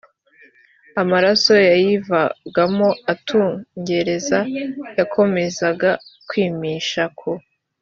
amaraso yayivagamo atungereza yakomezaga kwimisha ku